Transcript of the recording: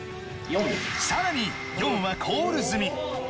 更に４はコール済み。